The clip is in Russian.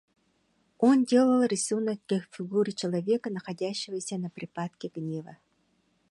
Он делал рисунок для фигуры человека, находящегося в припадке гнева.